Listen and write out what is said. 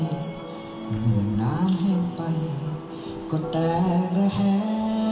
เมื่อน้ำแห้งไปก็แตกระแหง